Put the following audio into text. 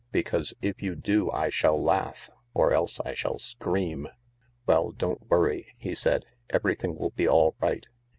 Because if you do I shall laugh — or else I shall scream." "Well, don't worry," he said; "everything will be all right.